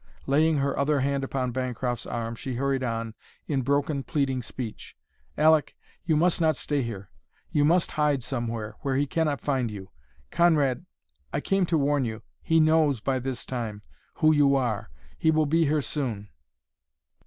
Laying her other hand upon Bancroft's arm she hurried on, in broken, pleading speech: "Aleck, you must not stay here! You must hide somewhere, where he cannot find you! Conrad I came to warn you he knows, by this time who you are. He will be here soon."